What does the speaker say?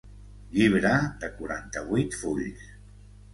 Llibre de quaranta-vuit fulls.